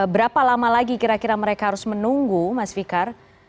berapa lama lagi kira kira mereka harus menunggu mas fikar